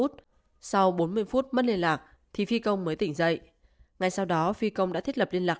sau bốn mươi phút mất liên lạc thì phi công mới tỉnh dậy ngay sau đó phi công đã thiết lập liên lạc